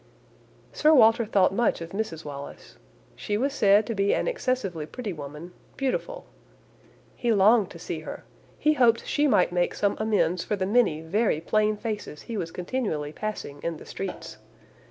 Sir Walter thought much of Mrs Wallis; she was said to be an excessively pretty woman, beautiful. "He longed to see her. He hoped she might make some amends for the many very plain faces he was continually passing in the streets.